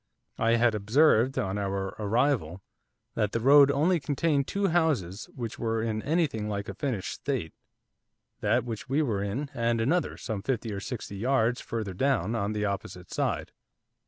I had observed, on our arrival, that the road only contained two houses which were in anything like a finished state, that which we were in, and another, some fifty or sixty yards further down, on the opposite side.